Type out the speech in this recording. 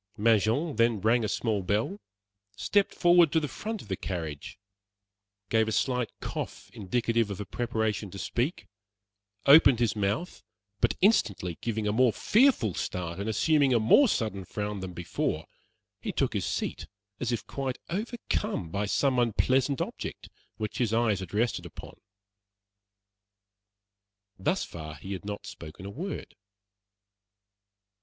Mangin then rang a small bell, stepped forward to the front of the carriage, gave a slight cough indicative of a preparation to speak, opened his mouth, but instantly giving a more fearful start and assuming a more sudden frown than before, he took his seat as if quite overcome by some unpleasant object which his eyes had rested upon. Thus far he had not spoken a word.